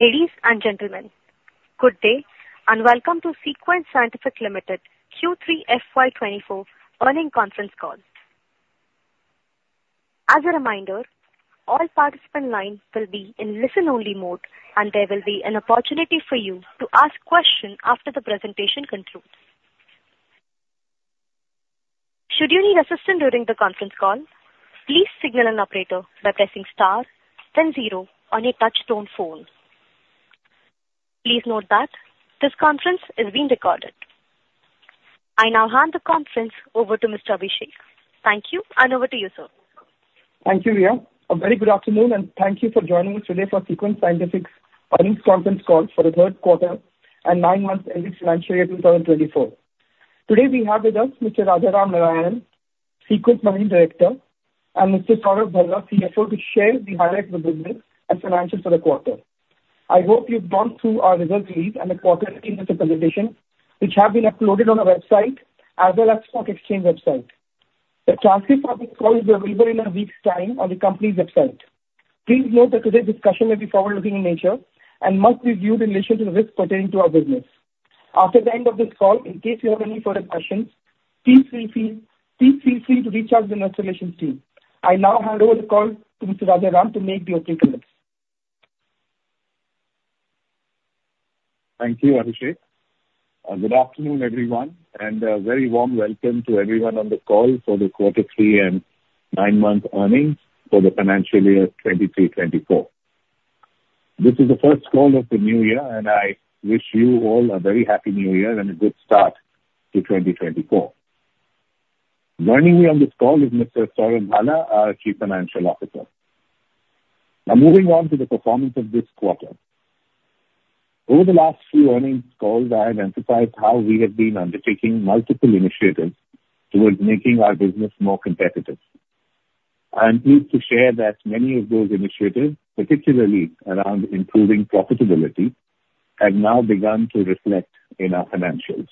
Ladies and gentlemen, good day and welcome to Sequent Scientific Limited Q3 FY 2024 earnings conference call. As a reminder, all participant lines will be in listen only mode, and there will be an opportunity for you to ask questions after the presentation concludes. Should you need assistance during the conference call, please signal an operator by pressing star then zero on your touch tone phone. Please note that this conference is being recorded. I now hand the conference over to Mr. Abhishek. Thank you and over to you, sir. Thank you, Ria. A very good afternoon and thank you for joining us today for Sequent Scientific's earnings conference call for the third quarter and nine months ending financial year 2024. Today we have with us Mr. Rajaram Narayanan, Sequent Managing Director, and Mr. Saurav Bhala, CFO, to share the highlights of the business and financials for the quarter. I hope you've gone through our results release and the quarter presentation, which have been uploaded on our website as well as Stock Exchange website. The transcript of this call is available in a week's time on the company's website. Please note that today's discussion will be forward-looking in nature and must be viewed in relation to the risks pertaining to our business. After the end of this call, in case you have any further questions, please feel free to reach out to the investor relations team. I now hand over the call to Mr. Rajaram to make the opening comments. Thank you, Abhishek. Good afternoon, everyone. A very warm welcome to everyone on the call for the quarter three and nine-month earnings for the financial year 2023/2024. This is the first call of the new year. I wish you all a very happy new year and a good start to 2024. Joining me on this call is Mr. Saurav Bhala, our Chief Financial Officer. Moving on to the performance of this quarter. Over the last few earnings calls, I have emphasized how we have been undertaking multiple initiatives towards making our business more competitive. I am pleased to share that many of those initiatives, particularly around improving profitability, have now begun to reflect in our financials.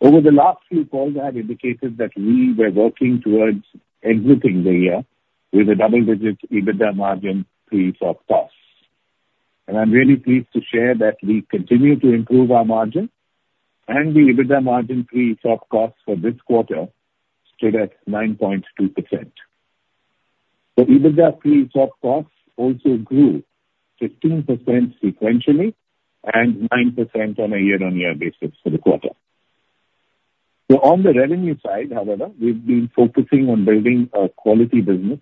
Over the last few calls, I have indicated that we were working towards exiting the year with a double-digit EBITDA margin pre-ESOP costs. I'm really pleased to share that we continue to improve our margin and the EBITDA margin pre-ESOP costs for this quarter stood at 9.2%. The EBITDA pre-ESOP costs also grew 15% sequentially and 9% on a year-on-year basis for the quarter. On the revenue side, however, we've been focusing on building a quality business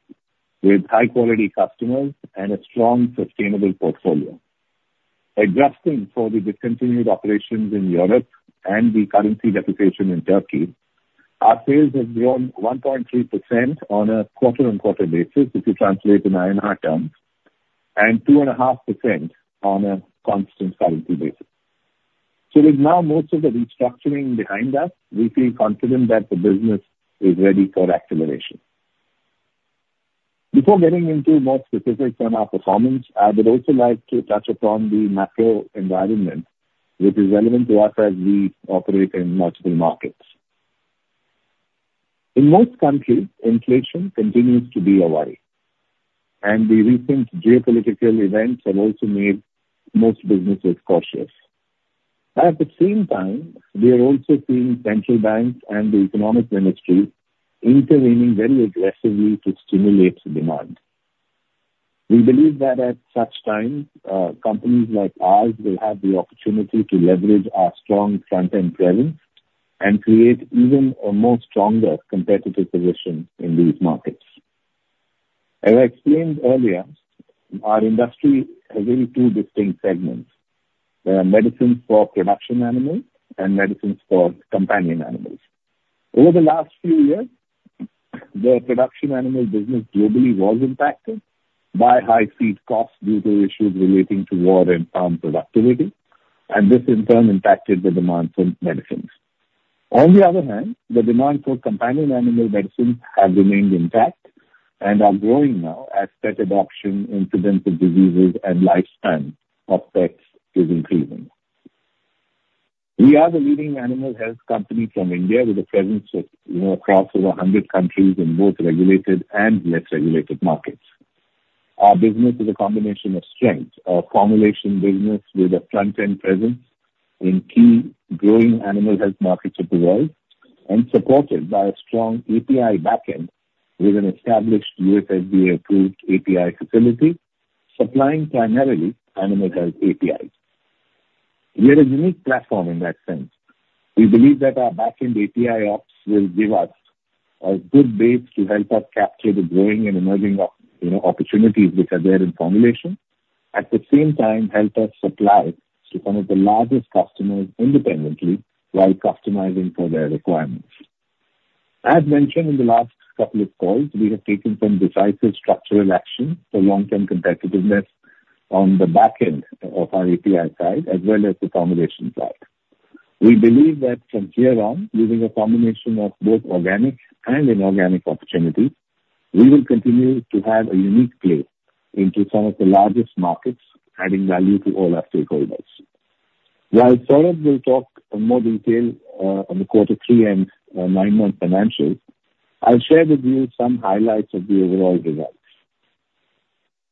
with high-quality customers and a strong, sustainable portfolio. Adjusting for the discontinued operations in Europe and the currency depreciation in Turkey, our sales have grown 1.3% on a quarter-on-quarter basis if you translate in INR terms, and 2.5% on a constant currency basis. With now most of the restructuring behind us, we feel confident that the business is ready for acceleration. Before getting into more specifics on our performance, I would also like to touch upon the macro environment, which is relevant to us as we operate in multiple markets. In most countries, inflation continues to be a worry, and the recent geopolitical events have also made most businesses cautious. At the same time, we are also seeing central banks and the economic ministry intervening very aggressively to stimulate demand. We believe that at such times, companies like ours will have the opportunity to leverage our strong front-end presence and create even a more stronger competitive position in these markets. As I explained earlier, our industry has really two distinct segments, medicines for production animals and medicines for companion animals. Over the last few years, the production animal business globally was impacted by high feed costs due to issues relating to war and farm productivity, and this in turn impacted the demand for medicines. On the other hand, the demand for companion animal medicines has remained intact and are growing now as pet adoption, incidence of diseases, and lifespan of pets is increasing. We are the leading animal health company from India with a presence across over 100 countries in both regulated and less regulated markets. Our business is a combination of strength, our formulation business with a front-end presence in key growing animal health markets of the world, and supported by a strong API backend with an established U.S. FDA-approved API facility supplying primarily animal health APIs. We have a unique platform in that sense. We believe that our backend API operations will give us a good base to help us capture the growing and emerging opportunities which are there in formulation. At the same time, help us supply to some of the largest customers independently while customizing for their requirements. As mentioned in the last couple of calls, we have taken some decisive structural action for long-term competitiveness on the back end of our API side as well as the formulation side. We believe that from here on, using a combination of both organic and inorganic opportunities, we will continue to have a unique place into some of the largest markets, adding value to all our stakeholders. While Saurav will talk in more detail on the quarter three and nine-month financials, I will share with you some highlights of the overall results.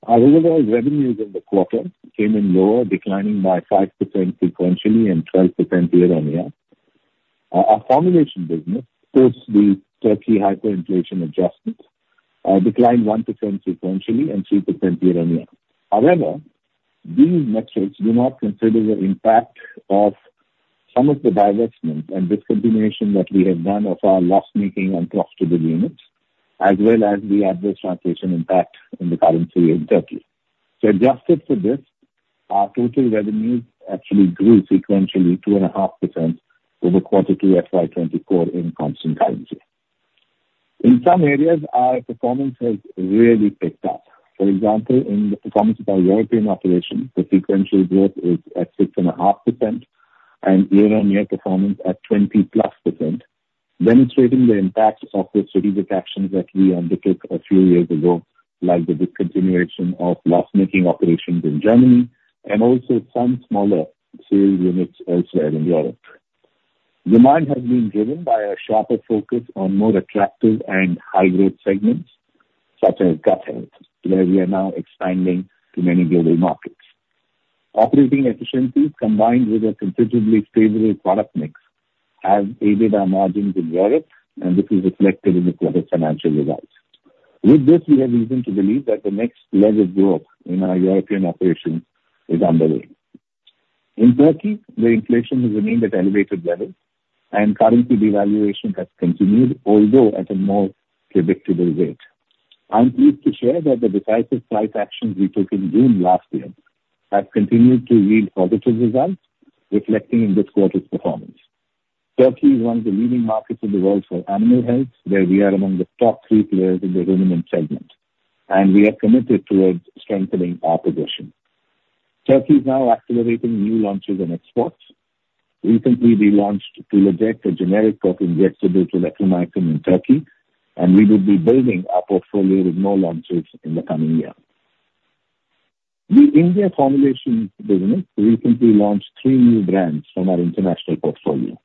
Our overall revenues in the quarter came in lower, declining by 5% sequentially and 12% year-on-year. Our formulation business, post the Turkey hyperinflation adjustments, declined 1% sequentially and 3% year-on-year. These metrics do not consider the impact of some of the divestments and discontinuation that we have done of our loss-making, unprofitable units, as well as the adverse translation impact in the currency in Turkey. Adjusted for this, our total revenues actually grew sequentially 2.5% over quarter three FY 2024 in constant currency. In some areas, our performance has really picked up. For example, in the performance of our European operations, the sequential growth is at 6.5% and year-on-year performance at +20%, demonstrating the impacts of the strategic actions that we undertook a few years ago, like the discontinuation of loss-making operations in Germany and also some smaller sales units elsewhere in Europe. Demand has been driven by a sharper focus on more attractive and high-growth segments, such as gut health, where we are now expanding to many global markets. Operating efficiencies, combined with a considerably favorable product mix, have aided our margins in Europe, and this is reflected in the quarter's financial results. With this, we have reason to believe that the next level of growth in our European operations is underway. In Turkey, the inflation has remained at elevated levels and currency devaluation has continued, although at a more predictable rate. I'm pleased to share that the decisive price actions we took in June last year have continued to yield positive results, reflecting in this quarter's performance. Turkey is one of the leading markets in the world for animal health, where we are among the top three players in the ruminant segment, and we are committed towards strengthening our position. Turkey is now accelerating new launches and exports. Recently, we launched Tulaject, a generic form of injectable tulathromycin in Turkey, and we will be building our portfolio with more launches in the coming year. The India formulation business recently launched three new brands from our international portfolio.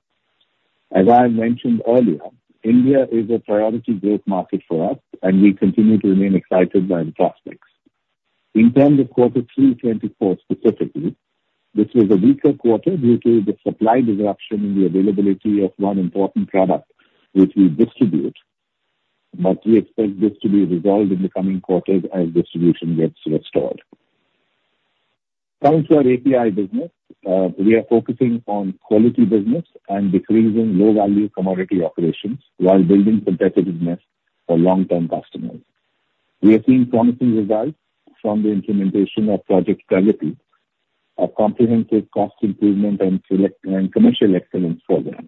As I mentioned earlier, India is a priority growth market for us, and we continue to remain excited by the prospects. In terms of quarter three 2024 specifically, this was a weaker quarter due to the supply disruption in the availability of one important product which we distribute, but we expect this to be resolved in the coming quarters as distribution gets restored. Coming to our API business, we are focusing on quality business and decreasing low-value commodity operations while building competitiveness for long-term customers. We are seeing promising results from the implementation of Project Pragati, our comprehensive cost improvement and commercial excellence program.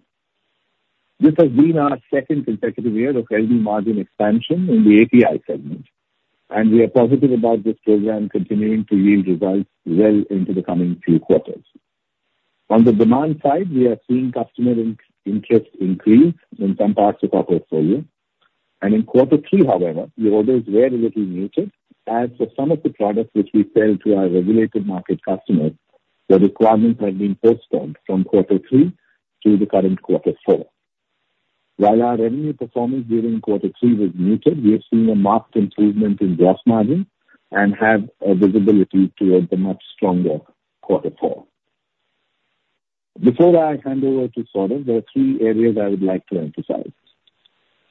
This has been our second consecutive year of healthy margin expansion in the API segment. We are positive about this program continuing to yield results well into the coming few quarters. On the demand side, we are seeing customer interest increase in some parts of our portfolio. In quarter three, however, the orders were a little muted as for some of the products which we sell to our regulated market customers, the requirements have been postponed from quarter three to the current quarter four. While our revenue performance during quarter three was muted, we are seeing a marked improvement in gross margin and have a visibility towards a much stronger quarter four. Before I hand over to Saurav, there are three areas I would like to emphasize.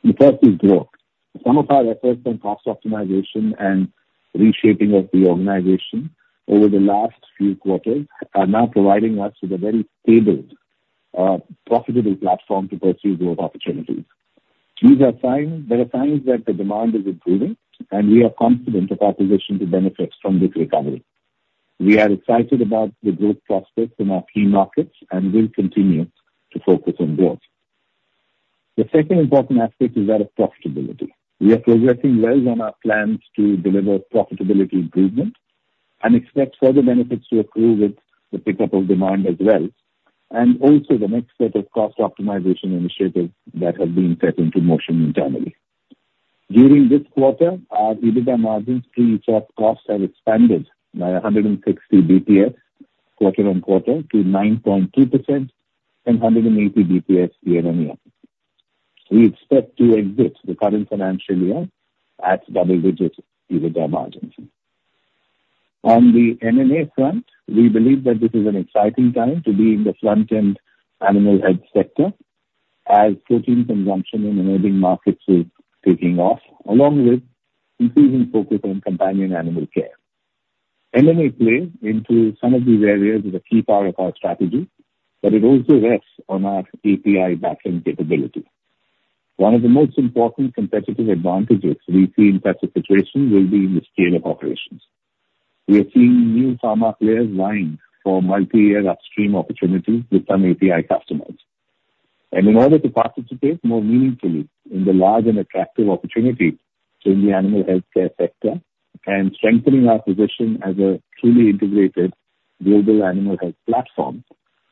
The first is growth. Some of our efforts on cost optimization and reshaping of the organization over the last few quarters are now providing us with a very stable, profitable platform to pursue growth opportunities. There are signs that the demand is improving, we are confident of our position to benefit from this recovery. We are excited about the growth prospects in our key markets and will continue to focus on growth. The second important aspect is that of profitability. We are progressing well on our plans to deliver profitability improvement and expect further benefits to accrue with the pickup of demand as well, also the next set of cost optimization initiatives that have been set into motion internally. During this quarter, our EBITDA margins pre-ESOP costs have expanded by 160 basis points quarter-on-quarter to 9.2% and 180 basis points year-on-year. We expect to exit the current financial year at double-digit EBITDA margins. On the M&A front, we believe that this is an exciting time to be in the front-end animal health sector as protein consumption in emerging markets is taking off, along with increasing focus on companion animal care. M&A plays into some of these areas as a key part of our strategy, but it also rests on our API backend capability. One of the most important competitive advantages we see in such a situation will be in the scale of operations. We are seeing new pharma players vying for multiyear upstream opportunities with some API customers. In order to participate more meaningfully in the large and attractive opportunities in the animal healthcare sector and strengthening our position as a truly integrated global animal health platform,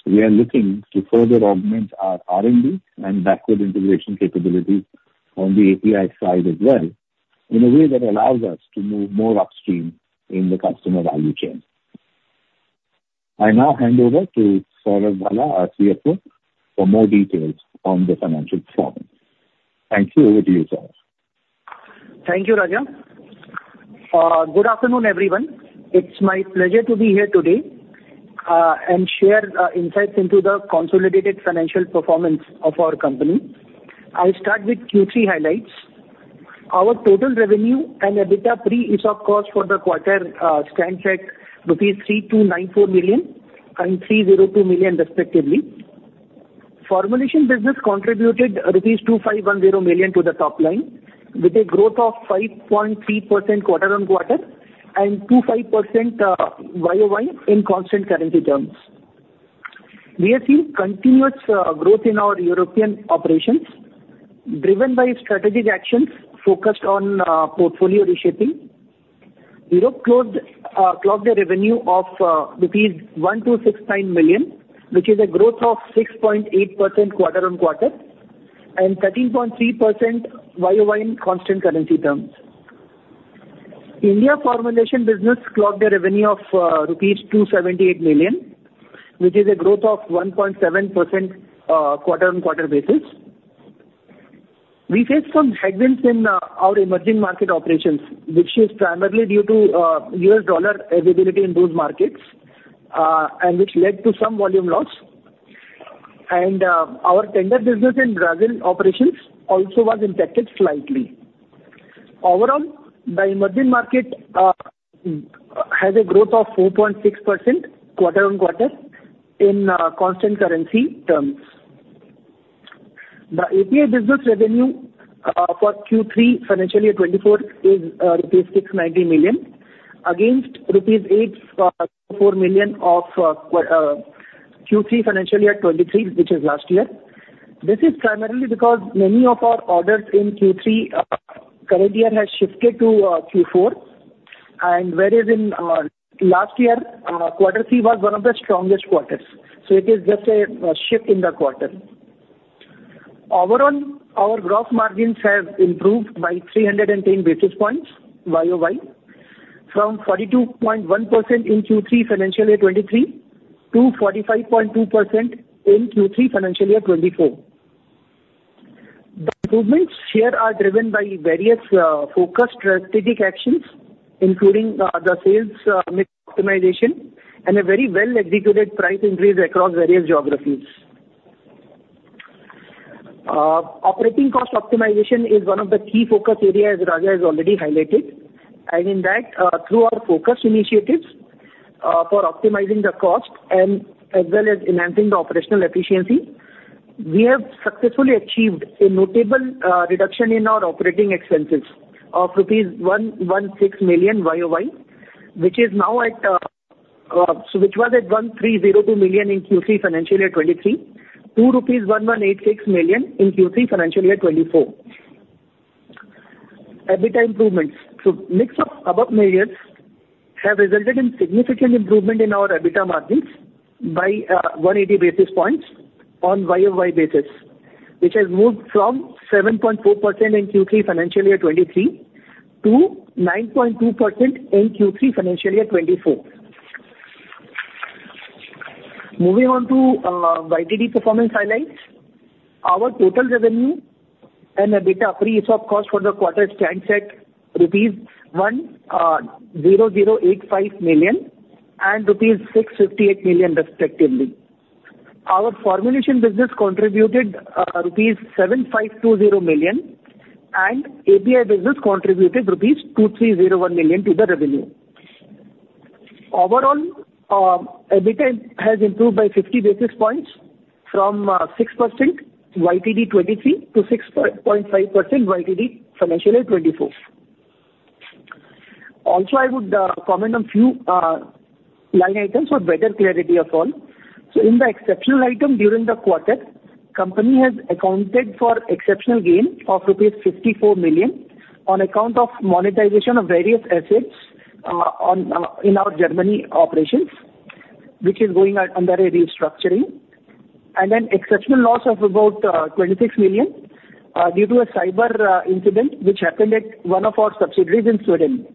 we are looking to further augment our R&D and backward integration capabilities on the API side as well. In a way that allows us to move more upstream in the customer value chain. I now hand over to Saurav Bhala, our CFO, for more details on the financial performance. Thank you. Over to you, Saurav. Thank you, Raja. Good afternoon, everyone. It's my pleasure to be here today and share insights into the consolidated financial performance of our company. I will start with Q3 highlights. Our total revenue and EBITDA pre-ESOP cost for the quarter stands at 3,294 million and 302 million respectively. Formulation business contributed rupees 2,510 million to the top line with a growth of 5.3% quarter-on-quarter and 25% YOY in constant currency terms. We have seen continuous growth in our European operations driven by strategic actions focused on portfolio reshaping. Europe clocked a revenue of rupees 1,269 million, which is a growth of 6.8% quarter-on-quarter and 13.3% YOY in constant currency terms. India formulation business clocked a revenue of rupees 278 million, which is a growth of 1.7% quarter-on-quarter basis. We faced some headwinds in our emerging market operations, which is primarily due to U.S. dollar availability in those markets, which led to some volume loss. Our tender business in Brazil operations also was impacted slightly. Overall, the emerging market has a growth of 4.6% quarter-on-quarter in constant currency terms. The API business revenue for Q3 FY 2024 is INR 690 million against rupees 840 million of Q3 FY 2023, which is last year. This is primarily because many of our orders in Q3 current year has shifted to Q4 whereas in last year, quarter three was one of the strongest quarters. It is just a shift in the quarter. Overall, our gross margins have improved by 310 basis points YOY from 42.1% in Q3 FY 2023 to 45.2% in Q3 FY 2024. The improvements here are driven by various focused strategic actions, including the sales mix optimization and a very well-executed price increase across various geographies. Operating cost optimization is one of the key focus areas Raja has already highlighted, and in that, through our focus initiatives for optimizing the cost and as well as enhancing the operational efficiency, we have successfully achieved a notable reduction in our operating expenses of rupees 116 million YOY, which was at 1,302 million in Q3 FY 2023 to 1,186 million in Q3 FY 2024. EBITDA improvements. Mix of above measures have resulted in significant improvement in our EBITDA margins by 180 basis points on YOY basis, which has moved from 7.4% in Q3 FY 2023 to 9.2% in Q3 FY 2024. Moving on to YTD performance highlights. Our total revenue and EBITDA pre-ESOP cost for the quarter stands at rupees 10,085 million and rupees 658 million respectively. Our formulation business contributed rupees 7,520 million and API business contributed rupees 2,301 million to the revenue. Overall, EBITDA has improved by 50 basis points from 6% YTD 2023 to 6.5% YTD FY 2024. I would comment on few line items for better clarity of all. In the exceptional item during the quarter, company has accounted for exceptional gain of rupees 54 million on account of monetization of various assets in our Germany operations, which is going under a restructuring, and an exceptional loss of about 26 million due to a cyber incident which happened at one of our subsidiaries in Sweden.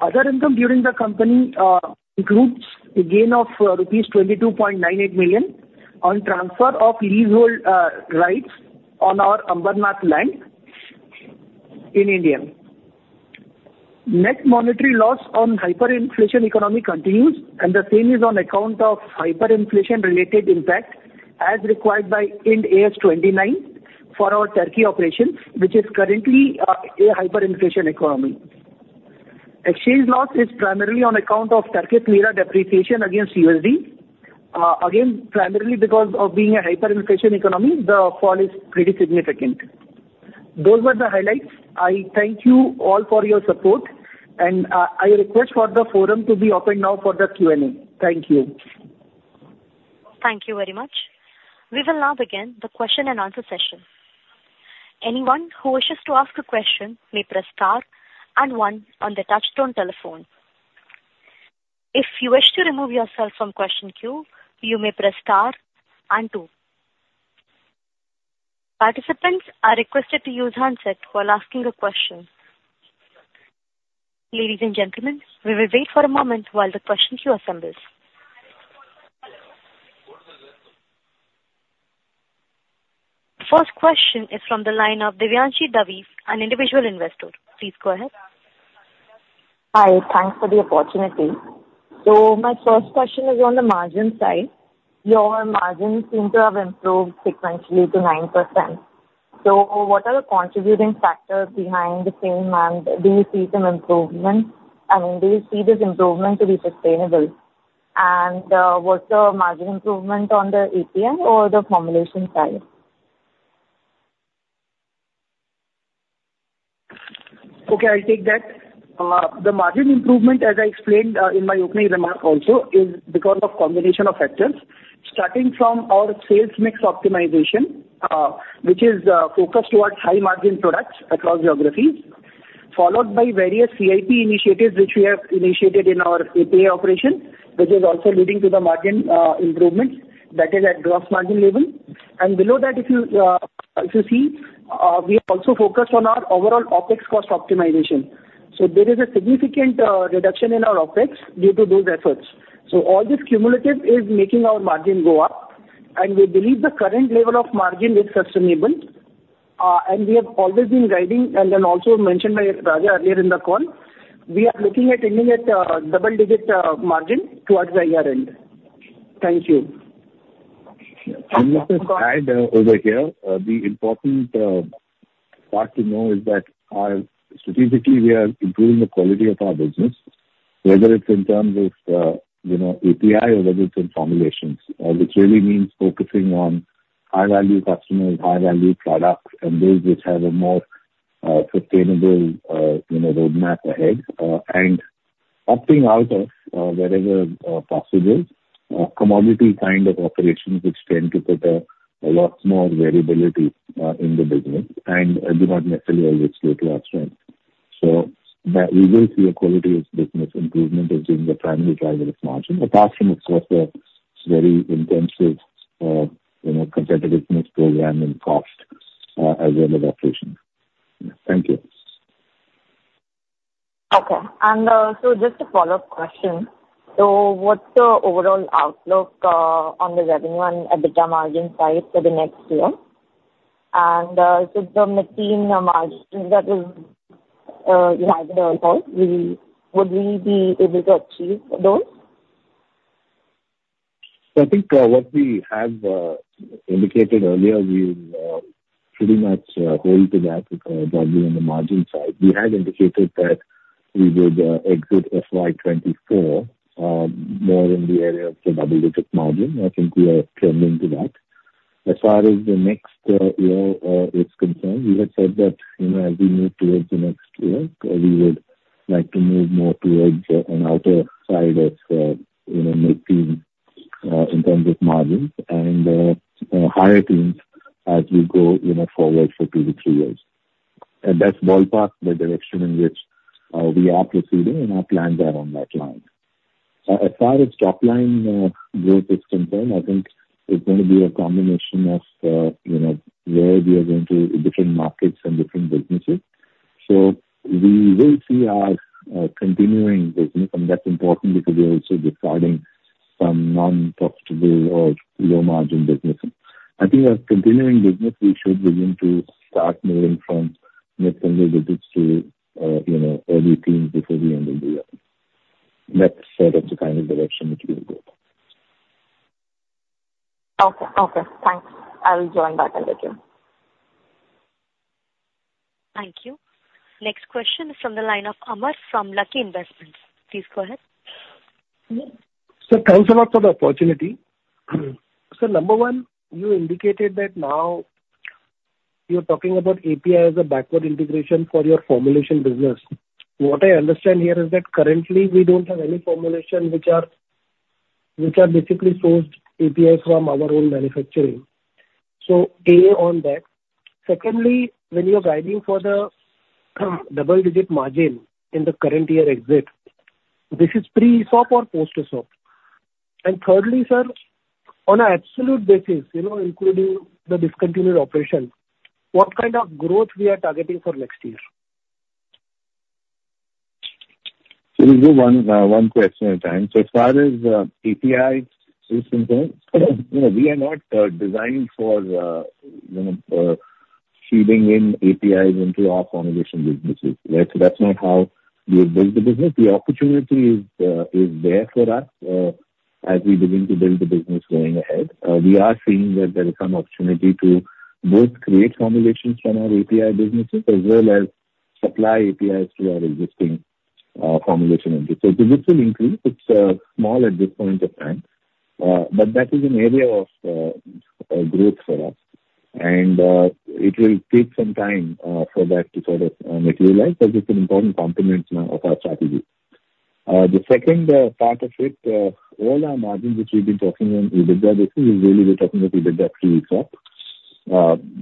Other income during the company includes a gain of rupees 22.98 million on transfer of leasehold rights on our Ambernath land in India. Net monetary loss on hyperinflation economy continues, and the same is on account of hyperinflation related impact as required by Ind AS 29 for our Turkey operations, which is currently a hyperinflation economy. Exchange loss is primarily on account of Turkish lira depreciation against USD. Primarily because of being a hyperinflation economy, the fall is pretty significant. Those were the highlights. I thank you all for your support and I request for the forum to be open now for the Q&A. Thank you. Thank you very much. We will now begin the question and answer session. Anyone who wishes to ask a question may press star and one on the touchtone telephone. If you wish to remove yourself from question queue, you may press star and two. Participants are requested to use handset while asking the question. Ladies and gentlemen, we will wait for a moment while the question queue assembles. First question is from the line of Divyanshi Davi, an individual investor. Please go ahead. Hi. Thanks for the opportunity. My first question is on the margin side. Your margin seem to have improved sequentially to 9%. What are the contributing factors behind the same, and do you see some improvement? I mean, do you see this improvement to be sustainable? What's the margin improvement on the API or the formulation side? Okay, I'll take that. The margin improvement, as I explained in my opening remark also, is because of combination of factors. Starting from our sales mix optimization, which is focused towards high margin products across geographies, followed by various CIP initiatives which we have initiated in our API operation, which is also leading to the margin improvements that is at gross margin level. Below that, if you see, we also focus on our overall OpEx cost optimization. There is a significant reduction in our OpEx due to those efforts. All this cumulative is making our margin go up, and we believe the current level of margin is sustainable. We have always been guiding and then also mentioned by Raja earlier in the call, we are looking at ending at double-digit margin towards the year-end. Thank you. Just to add over here, the important part to know is that strategically we are improving the quality of our business, whether it's in terms of API or whether it's in formulations. Which really means focusing on high-value customers, high-value products, and those which have a more sustainable roadmap ahead. Opting out of wherever possible, commodity kind of operations which tend to put a lot more variability in the business and do not necessarily always suit our strength. We will see a quality of business improvement as being the primary driver of margin. Apart from, of course, a very intensive competitiveness program in cost as well as operations. Thank you. Okay. Just a follow-up question. What's the overall outlook on the revenue and EBITDA margin side for the next year? The mid-teen margin that was guided on call, would we be able to achieve those? I think what we have indicated earlier, we will pretty much hold to that probably on the margin side. We had indicated that we would exit FY 2024, more in the area of say double-digit margin. I think we are trending to that. As far as the next year is concerned, we had said that as we move towards the next year, we would like to move more towards an outer side of mid-teen, in terms of margins and higher teens as we go forward for two to three years. That's ballpark the direction in which we are proceeding, and our plans are on that line. As far as top line growth is concerned, I think it's going to be a combination of where we are going to, different markets and different businesses. We will see our continuing business, and that's important because we are also discarding some non-profitable or low-margin businesses. I think our continuing business, we should begin to start moving from mid-single digits to early teens before the end of the year. That's sort of the kind of direction which we will go. Okay. Thanks. I will join back in the queue. Thank you. Next question is from the line of Amar from Lucky Investments. Please go ahead. Sir, thanks a lot for the opportunity. Sir, number one, you indicated that now you're talking about API as a backward integration for your formulation business. What I understand here is that currently we don't have any formulation which are basically sourced APIs from our own manufacturing. A, on that. Secondly, when you are guiding for the double-digit margin in the current year exit, this is pre-ESOP or post-ESOP? Thirdly, sir, on an absolute basis, including the discontinued operation, what kind of growth we are targeting for next year? We'll do one question at a time. As far as APIs is concerned, we are not designed for feeding in APIs into our formulation businesses. That's not how we have built the business. The opportunity is there for us as we begin to build the business going ahead. We are seeing that there is some opportunity to both create formulations from our API businesses as well as supply APIs to our existing formulation industry. The business will increase. It's small at this point of time. That is an area of growth for us. It will take some time for that to sort of materialize, but it's an important component now of our strategy. The second part of it, all our margins which we've been talking on EBITDA basis is really we're talking about EBITDA pre-ESOP.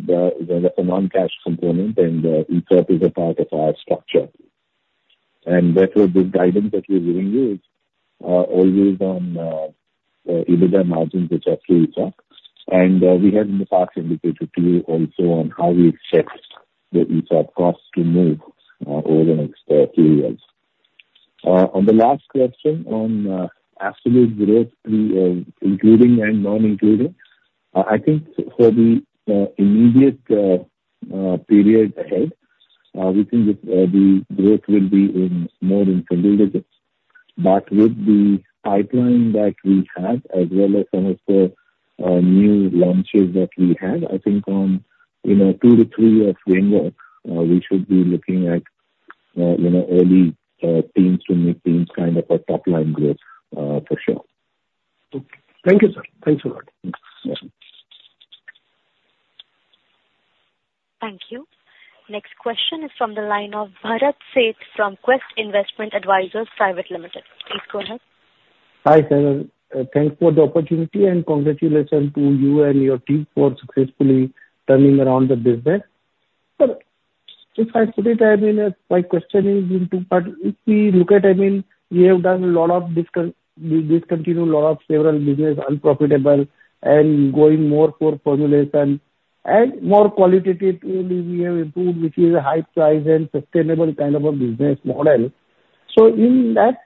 There is a non-cash component and ESOP is a part of our structure. Therefore, the guidance that we are giving you is always on EBITDA margins, which are pre-ESOP. We have in the past indicated to you also on how we expect the ESOP costs to move over the next three years. On the last question on absolute growth including and non-including, I think for the immediate period ahead, we think the growth will be more in single digits. With the pipeline that we have, as well as some of the new launches that we have, I think on two to three-year framework, we should be looking at early teens to mid-teens kind of a top-line growth for sure. Okay. Thank you, sir. Thanks a lot. Yes. Thank you. Next question is from the line of Bharat Sheth from Quest Investment Advisors Pvt Ltd. Please go ahead. Hi, sir. Thanks for the opportunity and congratulations to you and your team for successfully turning around the business. My question is into, if we look at, we have discontinued several business unprofitable and going more for formulation and more qualitatively, we have improved, which is a high price and sustainable kind of a business model. In that,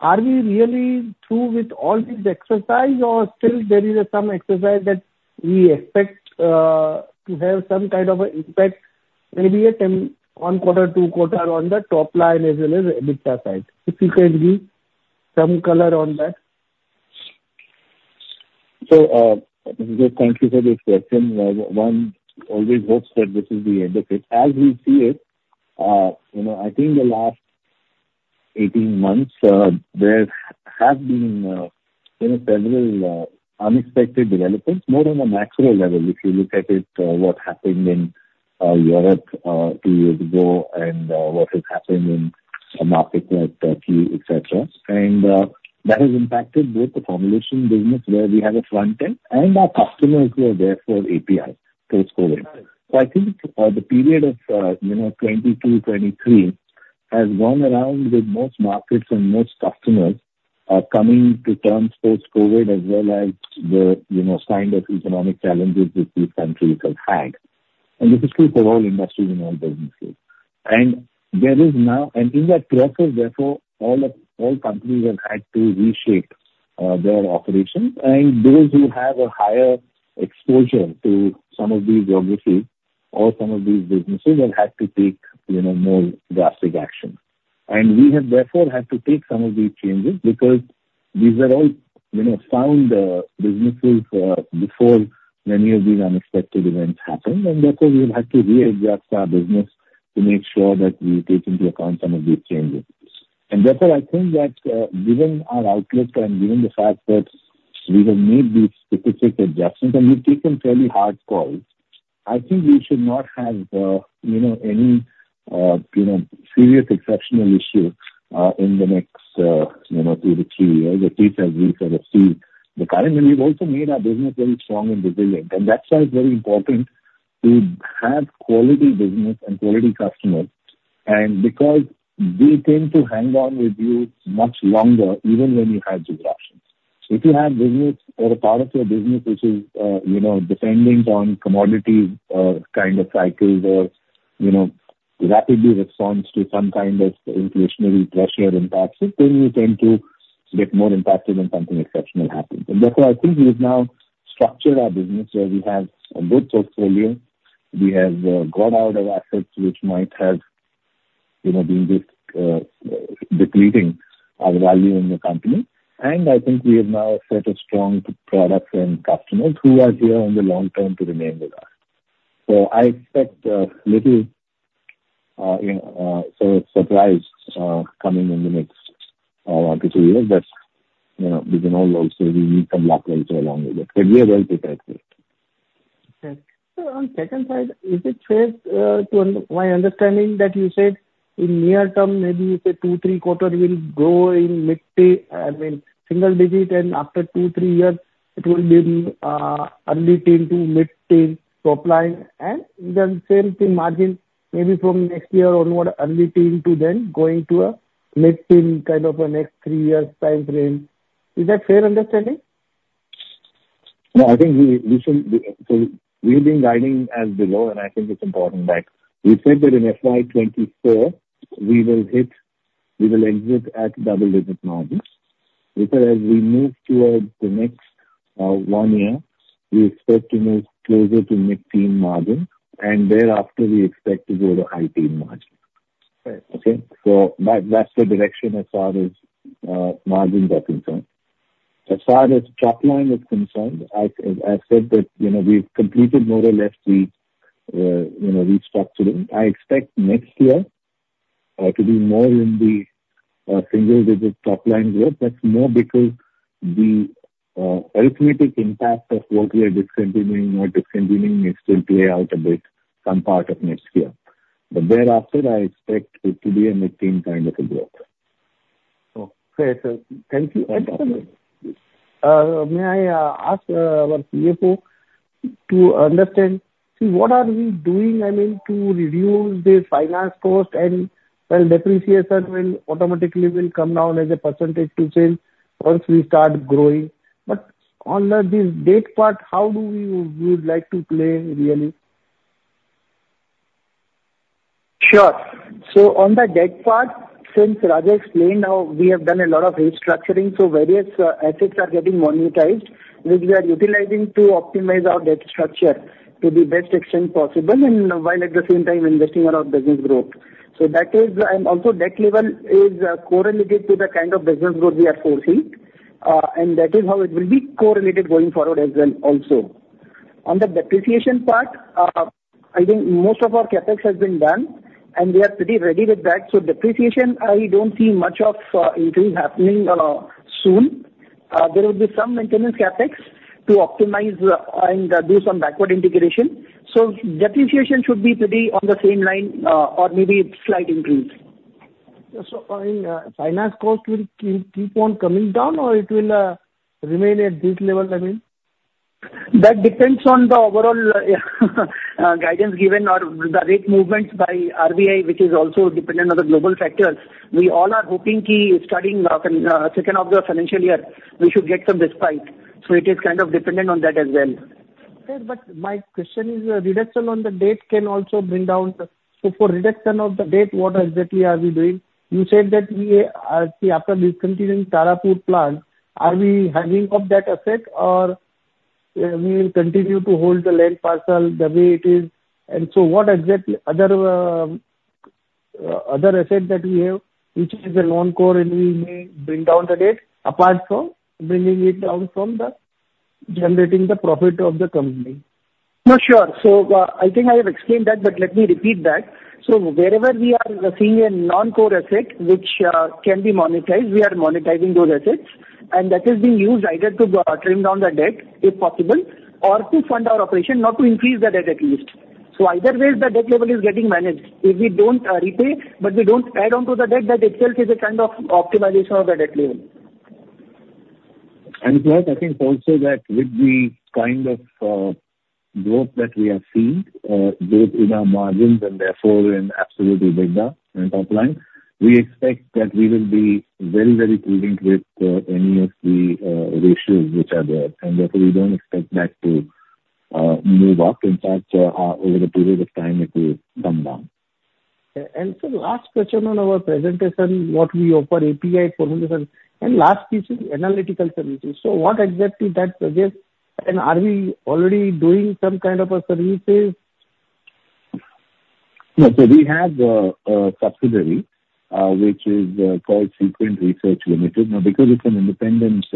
are we really through with all this exercise or still there is some exercise that we expect to have some kind of an impact, maybe a one quarter, two quarter on the top line as well as EBITDA side? If you can give some color on that. Thank you for this question. One always hopes that this is the end of it. As we see it, I think the last 18 months, there have been several unexpected developments, more on a macro level. If you look at it, what happened in Europe two years ago and what has happened in markets like Turkey, et cetera. That has impacted both the formulation business where we have a front end and our customers who are there for API post-COVID. I think the period of 2022, 2023 has gone around with most markets and most customers are coming to terms post-COVID as well as the kind of economic challenges which these countries have had. This is true for all industries in all business fields. In that process, therefore, all companies have had to reshape their operations. Those who have a higher exposure to some of these geographies or some of these businesses have had to take more drastic actions. We have therefore had to take some of these changes because these are all sound businesses before many of these unexpected events happened. Therefore, we will have to readjust our business to make sure that we take into account some of these changes. Therefore, I think that given our outlook and given the fact that we have made these specific adjustments and we’ve taken fairly hard calls, I think we should not have any serious exceptional issue in the next two to three years at least as we sort of see. Currently, we’ve also made our business very strong and resilient. That’s why it’s very important to have quality business and quality customers. Because they tend to hang on with you much longer, even when you have disruptions. If you have business or a part of your business which is depending on commodity kind of cycles or rapidly responds to some kind of inflationary pressure impacts, then you tend to get more impacted when something exceptional happens. Therefore, I think we have now structured our business where we have a good portfolio. We have got out of assets which might have been depleting our value in the company. I think we have now a set of strong products and customers who are here in the long term to remain with us. I expect little surprise coming in the next one to two years. We can also, we need some luck also along with it, but we are well prepared for it. Okay. On second side, my understanding that you said in near term, maybe you say two, three quarters will grow in mid-single digit. After two, three years it will be early teen to mid-teen top line. Same thing margin maybe from next year onward early teen to then going to a mid-teen kind of a next three years time frame. Is that fair understanding? No, I think we have been guiding as below and I think it's important that we said that in FY 2024 we will exit at double-digit margins. As we move towards the next one year, we expect to move closer to mid-teen margin and thereafter we expect to go to high-teen margin. Right. Okay. That's the direction as far as margins are concerned. As far as top line is concerned, I've said that we've completed more or less the restructuring. I expect next year to be more in the single-digit top line growth. That's more because the arithmetic impact of what we are discontinuing is still play out a bit some part of next year. Thereafter I expect it to be a mid-teen kind of a growth. Okay, sir. Thank you. May I ask our CFO to understand, what are we doing, I mean, to reduce the finance cost and depreciation will automatically will come down as a percentage to sales once we start growing. On this debt part, how do you like to play, really? Sure. On the debt part, since Raja explained how we have done a lot of restructuring, various assets are getting monetized, which we are utilizing to optimize our debt structure to the best extent possible, and while at the same time investing around business growth. Also debt level is correlated to the kind of business growth we are foresee. That is how it will be correlated going forward as well also. On the depreciation part, I think most of our CapEx has been done, and we are pretty ready with that. Depreciation, I don't see much of increase happening soon. There will be some maintenance CapEx to optimize and do some backward integration. Depreciation should be pretty on the same line or maybe slight increase. Finance cost will keep on coming down or it will remain at this level? That depends on the overall guidance given or the rate movements by RBI, which is also dependent on the global factors. We all are hoping, starting second half of the financial year, we should get some respite. It is kind of dependent on that as well. Okay. My question is, for reduction of the debt, what exactly are we doing? You said that after discontinuing Tarapur plant, are we handing off that asset or we will continue to hold the land parcel the way it is? What exactly other asset that we have which is a non-core and we may bring down the debt apart from bringing it down from generating the profit of the company? No, sure. I think I have explained that but let me repeat that. Wherever we are seeing a non-core asset which can be monetized, we are monetizing those assets and that is being used either to trim down the debt if possible or to fund our operation not to increase the debt at least. Either way the debt level is getting managed. If we don't repay but we don't add on to the debt that itself is a kind of optimization of the debt level. Plus I think also that with the kind of growth that we have seen, both in our margins and therefore in absolute EBITDA and top line, we expect that we will be very, very prudent with any of the ratios which are there and therefore we don't expect that to move up. In fact, over a period of time it will come down. Sir last question on our presentation what we offer API formulation and last piece is analytical services. What exactly that suggest and are we already doing some kind of a services? No. We have a subsidiary which is called Sequent Research Limited. Because it's an independent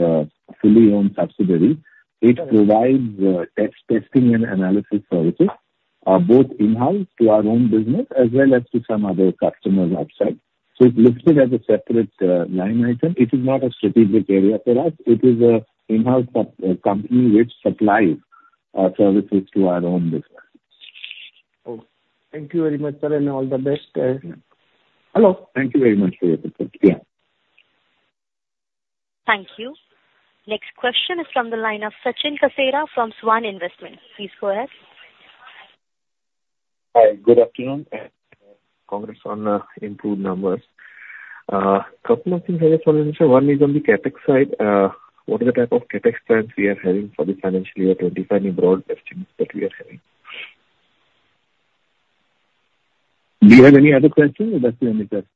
fully owned subsidiary, it provides testing and analysis services, both in-house to our own business as well as to some other customers outside. It's listed as a separate line item. It is not a strategic area for us. It is an in-house company which supplies services to our own business. Okay. Thank you very much sir and all the best. Hello. Thank you very much. Thank you. Next question is from the line of Sachin Kasera from Svan Investment. Please go ahead. Hi, good afternoon and congrats on improved numbers. Couple of things I just wanted to understand. One is on the CapEx side. What is the type of CapEx plans we are having for this financial year, 2025 in broad estimates that we are having? Do you have any other questions or that's the only question?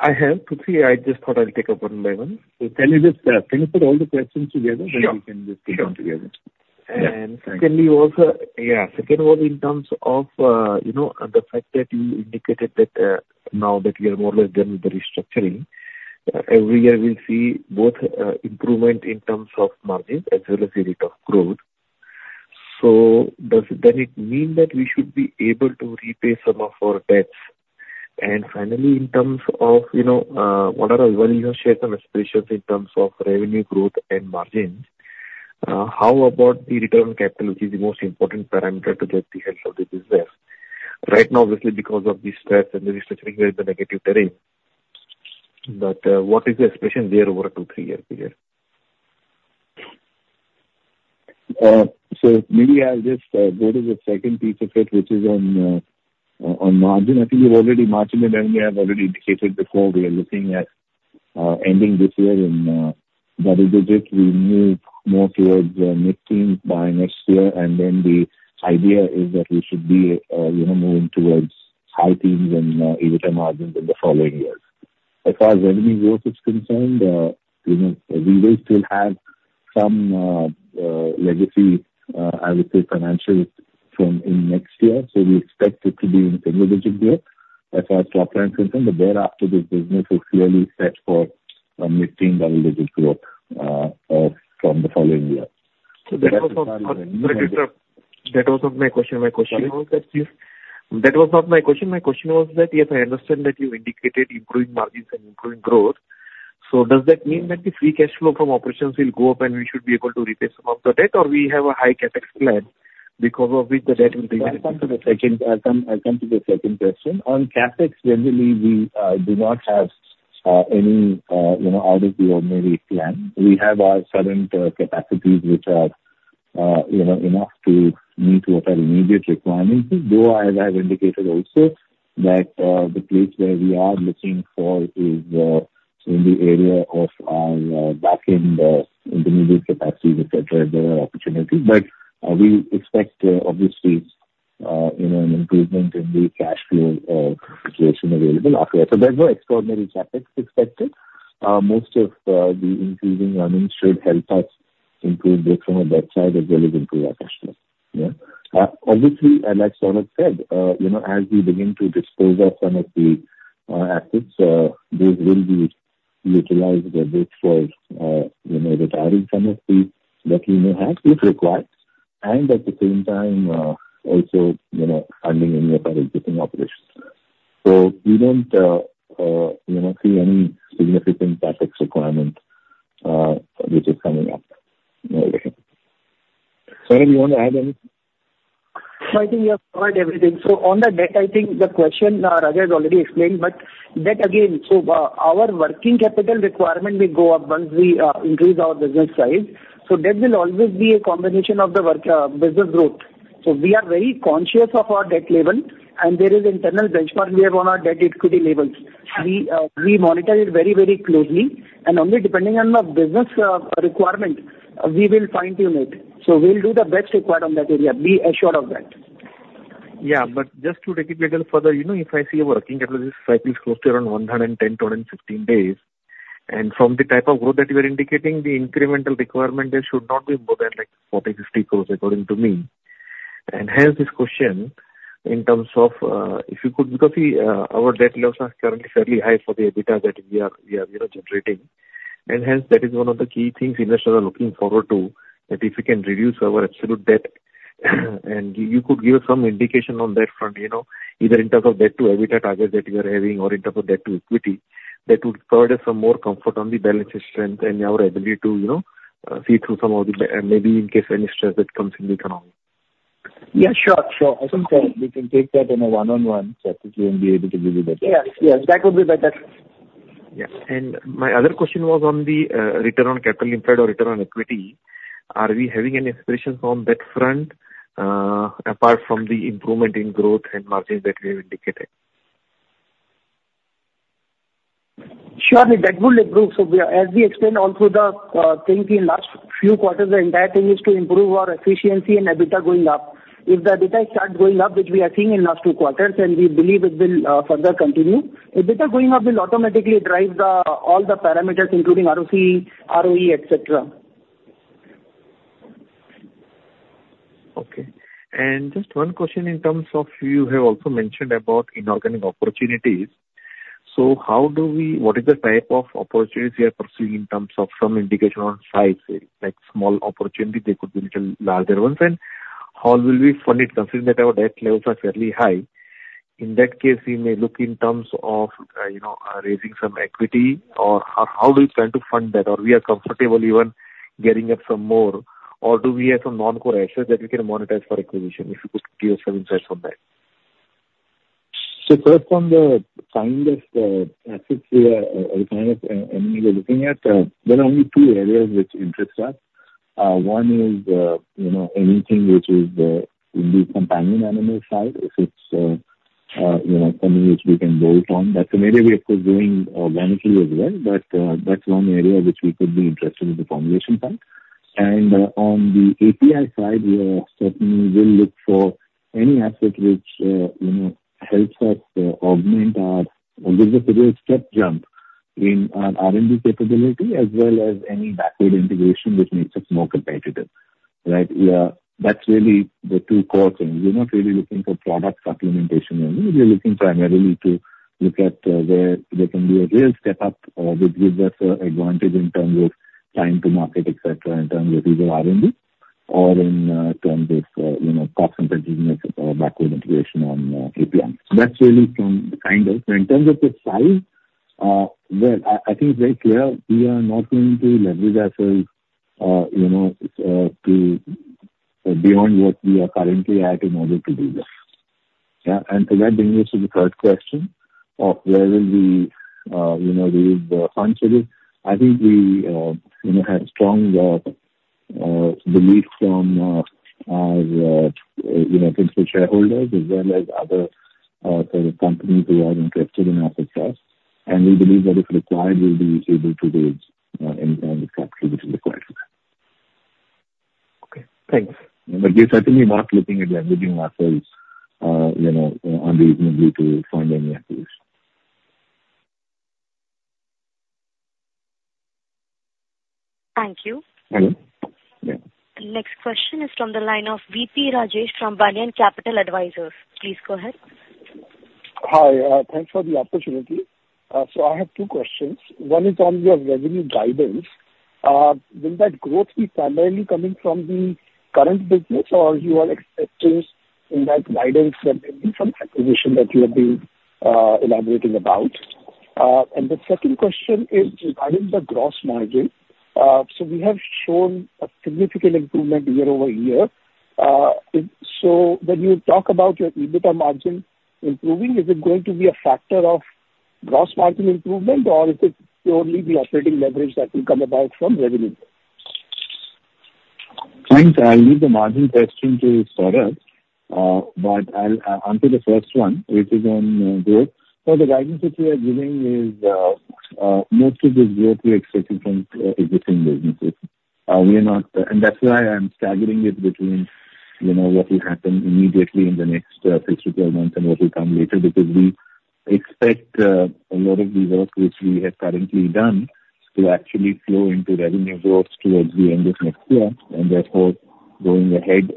I have. Actually, I just thought I'll take up one by one. Can you just please put all the questions together- Sure.... so we can just take them together. Yeah. Secondly also, in terms of the fact that you indicated that now that we are more or less done with the restructuring, every year we'll see both improvement in terms of margins as well as a rate of growth. Does it mean that we should be able to repay some of our debts? Finally, in terms of what are our valuation aspirations in terms of revenue growth and margins, how about the return capital which is the most important parameter to get the health of the business? Right now obviously because of this debt and the restructuring is the negative terrain but what is the aspiration there over a two, three-year period? Maybe I'll just go to the second piece of it which is on margin. I think you've already, margin we have already indicated before we are looking at ending this year in double-digit. We move more towards mid-teens by next year and then the idea is that we should be moving towards high-teens in EBITDA margins in the following years. As far as revenue growth is concerned, we will still have some legacy, I would say financials from in next year. We expect it to be in double-digit there as far as top line is concerned but thereafter this business is clearly set for a mid-teen double-digit growth from the following year. That was not my question. My question was that- Sorry? That was not my question. My question was that yes I understand that you indicated improving margins and improving growth. Does that mean that the free cash flow from operations will go up and we should be able to repay some of the debt or we have a high CapEx plan? Because of which the debt will be- I'll come to the second question. On CapEx, generally, we do not have any out of the ordinary plan. We have our current capacities, which are enough to meet what are immediate requirements, though I have indicated also that the place where we are looking for is in the area of our back-end intermediate capacities, et cetera. There are opportunities. We expect, obviously, an improvement in the cash flow situation available after that. There's no extraordinary CapEx expected. Most of the increasing earnings should help us improve this from a debt side as well into our cash flow. Yeah. Obviously, like Saurav said, as we begin to dispose of some of the assets, those will be utilized a bit for retiring some of the debt we may have if required, and at the same time, also funding any of our existing operations. We don't see any significant CapEx requirement which is coming up. Saurav, you want to add anything? No, I think you have covered everything. On the debt, I think the question, Raja has already explained, but debt again. Our working capital requirement will go up once we increase our business size. Debt will always be a combination of the business growth. We are very conscious of our debt level and there is internal benchmark we have on our debt equity levels. We monitor it very closely and only depending on the business requirement we will fine-tune it. We'll do the best required on that area. Be assured of that. Just to take it little further, if I see a working capital, this cycles close to around 110, 115 days. From the type of growth that you are indicating, the incremental requirement there should not be more than like 40, 50 crores according to me. Hence this question, because our debt levels are currently fairly high for the EBITDA that we are generating. Hence that is one of the key things investors are looking forward to, that if we can reduce our absolute debt and you could give some indication on that front, either in terms of debt to EBITDA target that you are having or in terms of debt to equity, that would provide us some more comfort on the balance sheet strength and our ability to see through and maybe in case any stress that comes in the economy. Yeah, sure. Awesome. We can take that in a one-on-one chat and we'll be able to give you that. Yes. That would be better. Yeah. My other question was on the return on capital employed or return on equity. Are we having any aspirations on that front apart from the improvement in growth and margins that we have indicated? Sure. That will improve. As we explained all through the 20 last few quarters, the entire thing is to improve our efficiency and EBITDA going up. If the EBITDA starts going up, which we are seeing in last two quarters, and we believe it will further continue, EBITDA going up will automatically drive all the parameters, including ROC, ROE, et cetera. Okay. Just one question in terms of, you have also mentioned about inorganic opportunities. What is the type of opportunities you are pursuing in terms of some indication on size? Say, like small opportunity, they could be little larger ones. How will we fund it considering that our debt levels are fairly high? In that case, we may look in terms of raising some equity or how do we plan to fund that? We are comfortable even gearing up some more or do we have some non-core assets that we can monetize for acquisition? If you could give some insights on that. First on the kind of assets we are looking at, there are only two areas which interest us. One is anything which is the companion animal side, if it's something which we can build on. That's an area we're of course doing organically as well. That's one area which we could be interested in the formulation side. On the API side, we certainly will look for any asset which helps us augment or gives us a real step jump in our R&D capability as well as any backward integration which makes us more competitive. That's really the two core things. We're not really looking for product supplementation only. We are looking primarily to look at where there can be a real step up or which gives us advantage in terms of time to market, et cetera, in terms of either R&D or in terms of cost competitiveness or backward integration on API. In terms of the size, well, I think it's very clear we are not going to leverage ourselves beyond what we are currently at in order to do this. Yeah. That brings us to the third question of whether we raise the funds for this. I think we have strong belief from our principal shareholders as well as other sort of companies who are interested in us as well. We believe that if required, we'll be able to raise any kind of capital which is required for that. Okay, thanks. We're certainly not looking at leveraging ourselves unreasonably to fund any acquisition. Thank you. Yeah. Next question is from the line of VP Rajesh from Banyan Capital Advisors. Please go ahead. Hi. Thanks for the opportunity. I have two questions. One is on your revenue guidance. Will that growth be primarily coming from the current business or you are expecting in that guidance maybe some acquisition that you have been elaborating about? The second question is regarding the gross margin. We have shown a significant improvement year-over-year. When you talk about your EBITDA margin improving, is it going to be a factor of gross margin improvement, or is it purely the operating leverage that will come about from revenue? Thanks. I'll leave the margin question to Saurav. I'll answer the first one, which is on growth. The guidance which we are giving is, most of this growth we are expecting from existing businesses. That's why I'm staggering it between what will happen immediately in the next 6-12 months and what will come later, because we expect a lot of the work which we have currently done to actually flow into revenue growth towards the end of next year. Therefore, going ahead,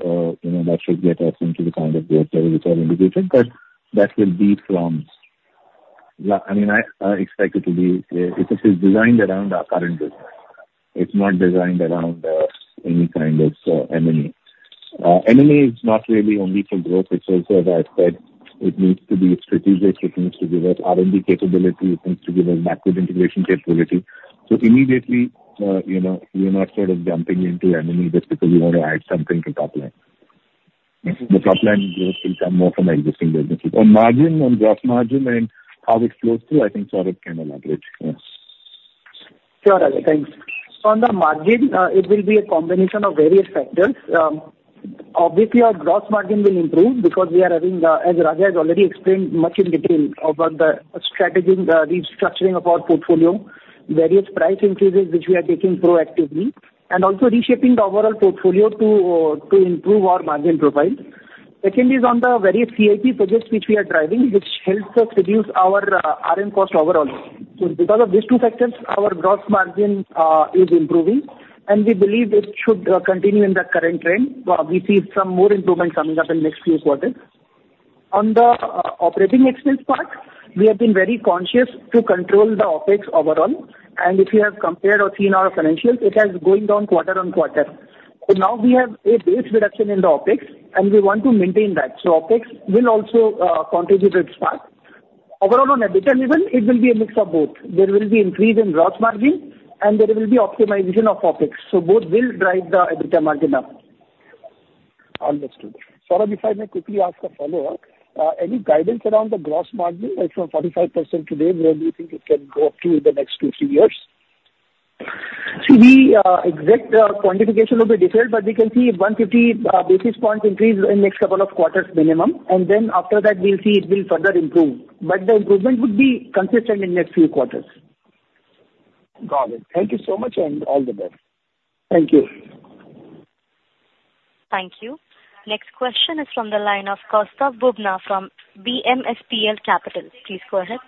that should get us into the kind of growth levels we are indicating, but that will be from it is designed around our current business. It's not designed around any kind of M&A. M&A is not really only for growth. It's also, as I said, it needs to be strategic. It needs to give us R&D capability. It needs to give us backward integration capability. Immediately, we are not sort of jumping into M&A just because we want to add something to top line. The top line growth will come more from existing businesses. On margin, on gross margin and how it flows through, I think Saurav can elaborate. Sure, Raja. Thanks. On the margin, it will be a combination of various factors. Obviously, our gross margin will improve because we are having, as Raja has already explained much in detail about the strategy, the restructuring of our portfolio, various price increases, which we are taking proactively and also reshaping the overall portfolio to improve our margin profile. Second is on the various CIP projects which we are driving, which helps us reduce our RM cost overall. Because of these two factors, our gross margin is improving, and we believe it should continue in the current trend. We see some more improvement coming up in next few quarters. On the operating expense part, we have been very conscious to control the OpEx overall, and if you have compared or seen our financials, it has going down quarter on quarter. Now we have a base reduction in the OpEx, and we want to maintain that. OpEx will also contribute its part. Overall on EBITDA level, it will be a mix of both. There will be increase in gross margin and there will be optimization of OpEx. Both will drive the EBITDA margin up. Understood. Saurav, if I may quickly ask a follow-up. Any guidance around the gross margin? It's from 45% today, where do you think it can go up to in the next two, three years? See, the exact quantification will be different, but we can see 150 basis points increase in next couple of quarters minimum, and then after that, we'll see it will further improve, but the improvement would be consistent in next few quarters. Got it. Thank you so much. All the best. Thank you. Thank you. Next question is from the line of Kaustav Bubna from BMSPL Capital. Please go ahead.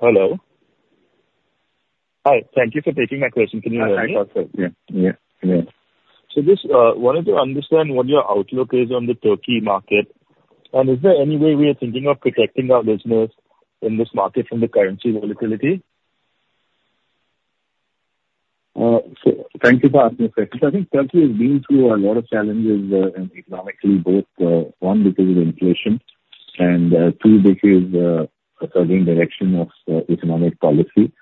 Hello. Hi, thank you for taking my question. Can you hear me? Hi, Kaustav. Yeah. Just wanted to understand what your outlook is on the Turkey market, and is there any way we are thinking of protecting our business in this market from the currency volatility? Thank you for asking the question. I think Turkey has been through a lot of challenges, and economically, both, one, because of inflation, and two, because of changing direction of economic policy,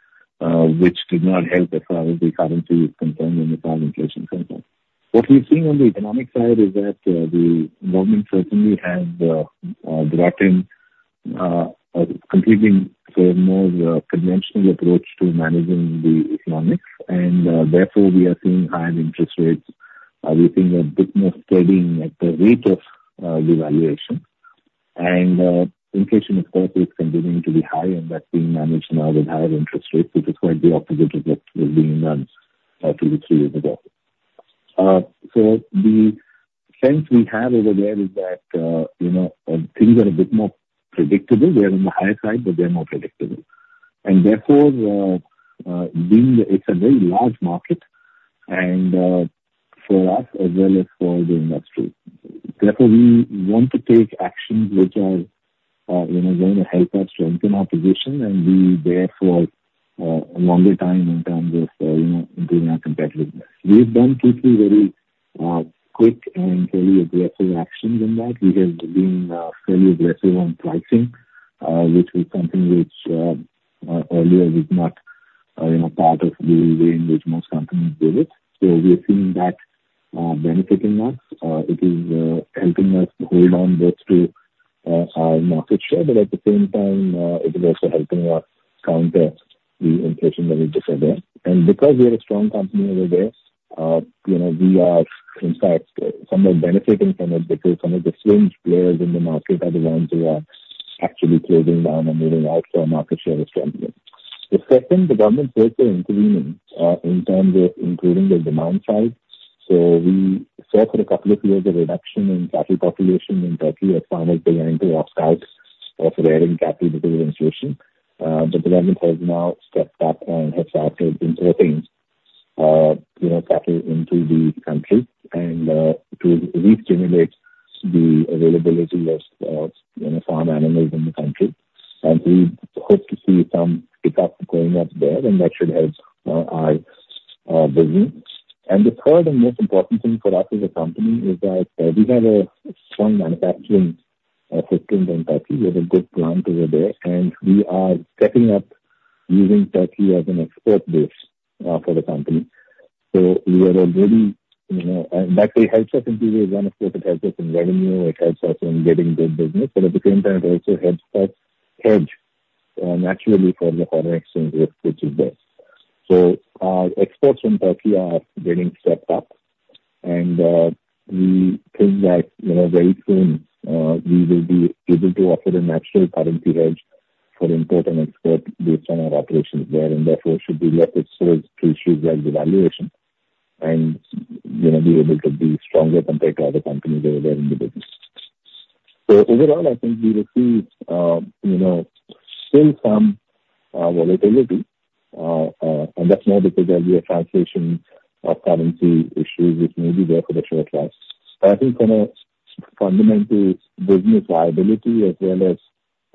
which did not help as far as the currency is concerned and the current inflation is concerned. What we're seeing on the economic side is that the government certainly has brought in a completely more conventional approach to managing the economics, and therefore we are seeing higher interest rates. We think a bit more steadying at the rate of devaluation. Inflation is, of course, continuing to be high and that's being managed now with higher interest rates, which is quite the opposite of what was being done two to three years ago. The sense we have over there is that things are a bit more predictable. They're on the higher side, but they're more predictable. Therefore, being that it's a very large market and for us as well as for the industry, therefore, we want to take actions which are going to help us strengthen our position and be there for a longer time in terms of improving our competitiveness. We've done quickly very quick and very aggressive actions in that. We have been fairly aggressive on pricing, which is something which earlier was not part of the way in which most companies did it. We are seeing that benefiting us. It is helping us hold on both to our market share, but at the same time, it is also helping us counter the inflation that we just had there. Because we are a strong company over there, we are in fact somewhat benefiting from it because some of the fringe players in the market are the ones who are actually closing down and moving out so our market share is strengthening. The second, the government took to intervene in terms of improving the demand side. We saw for a couple of years a reduction in cattle population in Turkey as farmers began to opt out of rearing cattle because of inflation. The government has now stepped up and has started importing cattle into the country and to regenerate the availability of farm animals in the country. We hope to see some pickup going up there and that should help our business. The third and most important thing for us as a company is that we have a strong manufacturing footprint in Turkey. We have a good plant over there, and we are setting up using Turkey as an export base for the company. That helps us in two ways. One, of course, it helps us in revenue, it helps us in getting good business. At the same time, it also helps us hedge naturally for the foreign exchange risk, which is there. Our exports from Turkey are getting set up. We think that very soon, we will be able to offer a natural currency hedge for import and export based on our operations there, and therefore should be less exposed to issues like devaluation and be able to be stronger compared to other companies over there in the business. Overall, I think we will see still some volatility, and that's more because there'll be a translation of currency issues which may be there for the short term. I think from a fundamental business viability as well as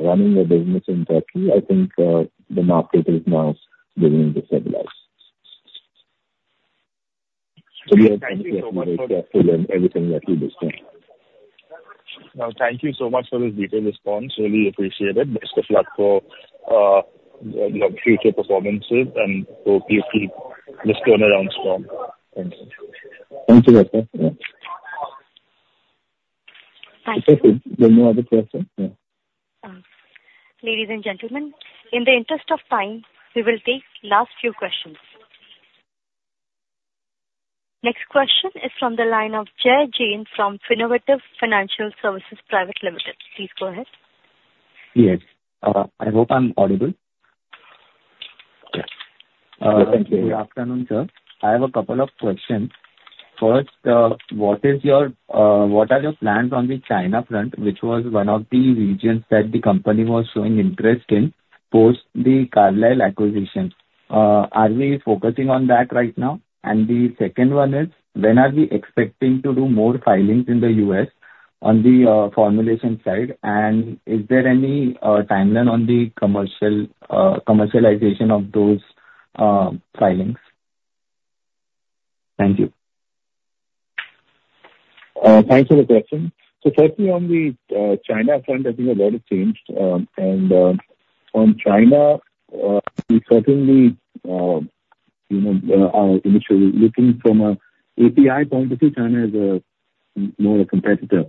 running a business in Turkey, I think the market is now beginning to stabilize. We are very careful in everything that we do. No, thank you so much for this detailed response. Really appreciate it. Best of luck for your future performances and hope you keep this turnaround strong. Thanks. Thanks a lot, sir. Yeah. Thank you. It's okay. There's no other question? Yeah. Ladies and gentlemen, in the interest of time, we will take last few questions. Next question is from the line of Jay Jain from Finnovate Financial Services Pvt Ltd. Please go ahead. Yes. I hope I'm audible. Yes. Thank you. Good afternoon, sir. I have a couple of questions. First, what are your plans on the China front, which was one of the regions that the company was showing interest in post the Carlyle acquisition? Are we focusing on that right now? And the second one is, when are we expecting to do more filings in the U.S. on the formulation side, and is there any timeline on the commercialization of those filings? Thank you. Thanks for the question. Firstly, on the China front, I think a lot has changed. On China, we certainly are initially looking from a API point of view. China is more a competitor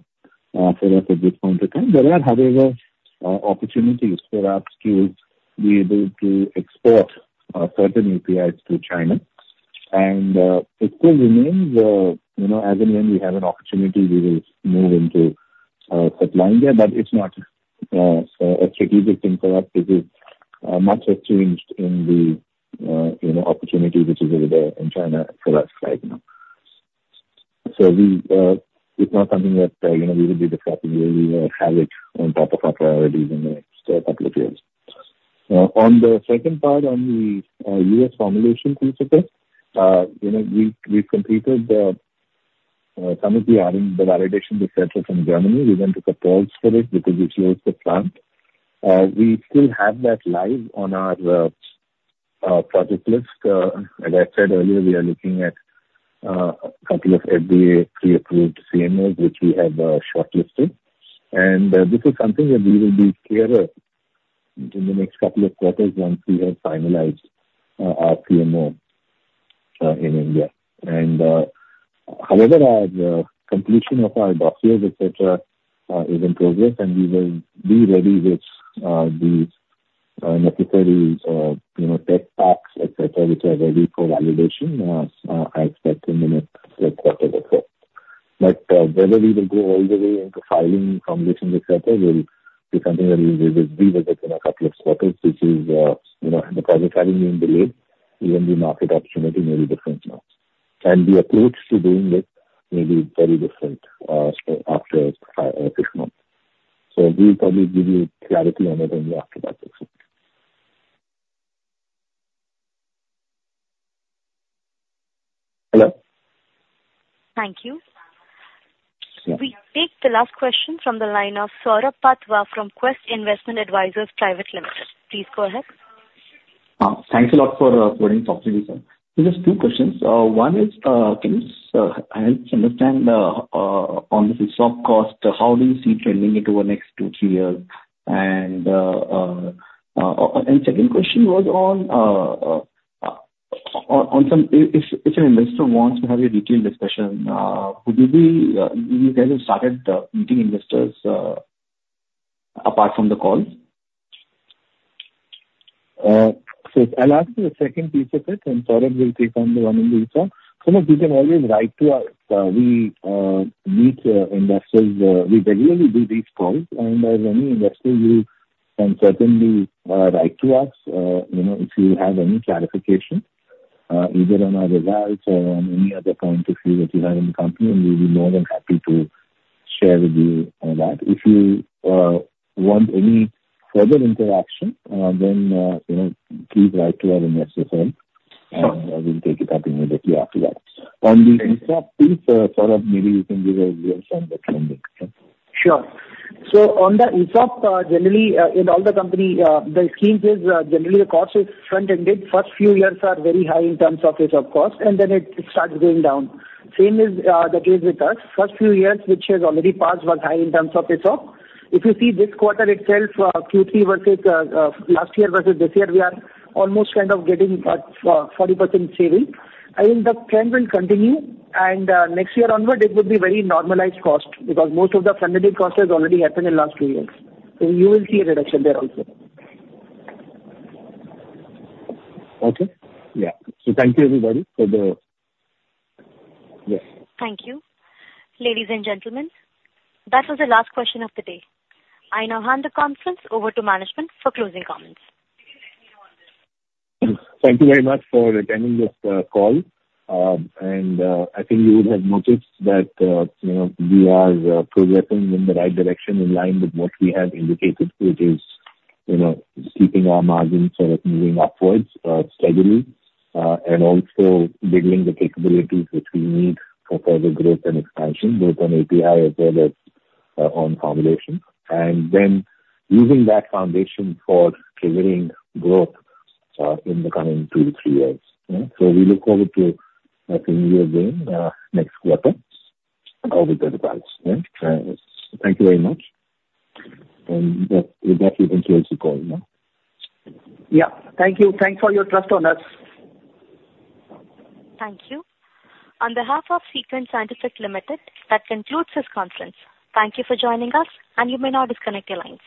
for us at this point in time. There are, however, opportunities for us to be able to export certain APIs to China. It still remains, as and when we have an opportunity, we will move into supplying there, but it's not a strategic thing for us because much has changed in the opportunity which is over there in China for us right now. It's not something that we will be the top and we will have it on top of our priorities in the next couple of years. On the second part on the U.S. formulation piece of it, we've completed some of the validation, et cetera, from Germany. We went to pause for it because we closed the plant. We still have that live on our project list. As I said earlier, we are looking at a couple of FDA pre-approved CMOs which we have shortlisted. This is something that we will be clearer in the next couple of quarters once we have finalized our CMO in India. However, our completion of our dossiers, et cetera, is in progress and we will be ready with the necessary tech packs, et cetera, which are ready for validation, I expect in the next quarter itself. Whether we will go all the way into filing formulation, et cetera, will be something that we will deal with in a couple of quarters. It having been delayed, even the market opportunity may be different now. The approach to doing it may be very different after five or six months. We'll probably give you clarity on it only after that. Hello? Thank you. Yeah. We take the last question from the line of Saurabh Patwa from Quest Investment Advisors Pvt Ltd. Please go ahead. Thanks a lot for providing this opportunity, sir. Just two questions. One is, can you help understand on the ESOP cost, how do you see trending it over next two, three years? Second question was, if an investor wants to have a detailed discussion, you guys have started meeting investors apart from the call? I'll answer the second piece of it, and Saurav will take on the one on ESOP. Saurabh, you can always write to us. We meet investors. We regularly do these calls, and as any investor, you can certainly write to us if you have any clarification, either on our results or on any other point of view that you have in the company, and we'll be more than happy to share with you on that. If you want any further interaction, please write to our investor cell and we'll take it up immediately after that. On the ESOP piece, Saurav, maybe you can give a view on the trending. Sure. On the ESOP, generally in all the company, the scheme says generally the cost is front-ended. First few years are very high in terms of ESOP cost, and then it starts going down. Same is the case with us. First few years, which has already passed, was high in terms of ESOP. If you see this quarter itself, Q3 versus last year versus this year, we are almost kind of getting a 40% saving. I think the trend will continue, and next year onward, it would be very normalized cost because most of the front-ended cost has already happened in last few years. You will see a reduction there also. Okay. Yeah. Thank you, everybody. Thank you. Ladies and gentlemen, that was the last question of the day. I now hand the conference over to management for closing comments. Thank you very much for attending this call. I think you would have noticed that we are progressing in the right direction in line with what we have indicated, which is keeping our margins moving upwards steadily. Also building the capabilities which we need for further growth and expansion, both on API as well as on formulation. Using that foundation for delivering growth in the coming two to three years. We look forward to meeting you again next quarter over the results. Thank you very much. With that, we can close the call now. Yeah. Thank you. Thanks for your trust on us. Thank you. On behalf of Sequent Scientific Limited, that concludes this conference. Thank you for joining us, and you may now disconnect your lines.